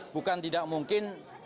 bukan tidak mungkin